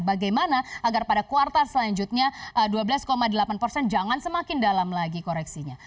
bagaimana agar pada kuartal selanjutnya dua belas delapan persen jangan semakin dalam lagi koreksinya